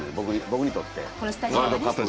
僕にとって。